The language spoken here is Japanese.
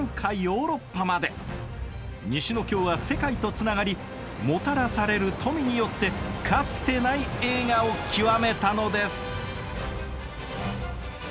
西の京は世界とつながりもたらされる富によってかつてない栄華を極めたのです。